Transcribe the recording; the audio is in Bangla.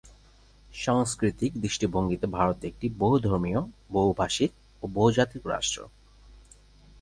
সাংস্কৃতিক দৃষ্টিভঙ্গিতে ভারত একটি বহুধর্মীয়, বহুভাষিক, ও বহুজাতিক রাষ্ট্র।